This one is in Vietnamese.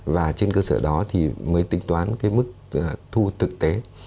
và trên cơ sở đó thì mới tính toán cái mức thu thực tế